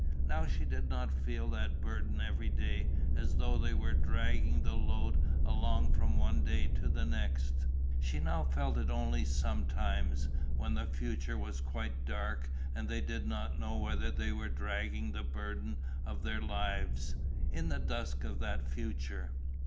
Now she did not feel that burden every day, as though they were dragging the load along from one day to the next. She now felt it only sometimes, when the future was quite dark and they did not know whither they were dragging the burden of their lives, in the dusk of that future.